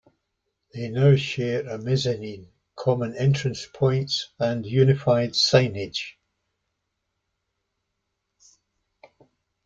They now share a mezzanine, common entrance points, and unified signage.